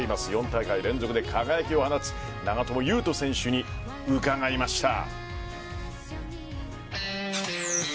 ４大会連続で輝きを放つ長友佑都選手に伺いました。